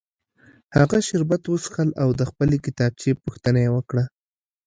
هغه شربت وڅښل او د خپلې کتابچې پوښتنه یې وکړه